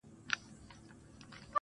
دې يوه لمن ښكلا په غېږ كي ايښې ده~